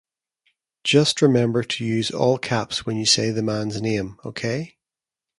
Just remember to use all caps when you say the man's name, okay?